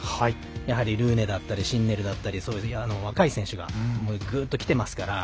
やはりルーネだったりシンネルだったり若い選手がグーッときてますから。